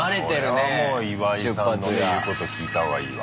もう岩井さんの言うこと聞いた方がいいわ。